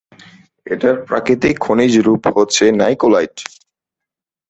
এটার প্রাকৃতিক খনিজ রূপ হচ্ছে নাকোলাইট।